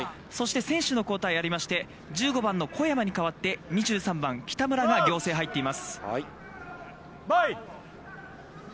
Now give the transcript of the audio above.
そして選手の交代がありまして、１５番の小山に代わって２３番の北村が、仰星、入っています。